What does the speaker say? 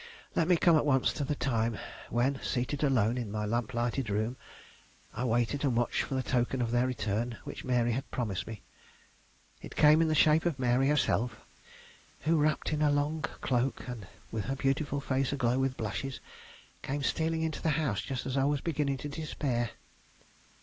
Let me come at once to the time when, seated alone in my lamp lighted room, I waited and watched for the token of their return which Mary had promised me. It came in the shape of Mary herself, who, wrapped in her long cloak, and with her beautiful face aglow with blushes, came stealing into the house just as I was beginning to despair.